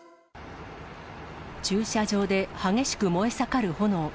駐車場で激しく燃えさかる炎。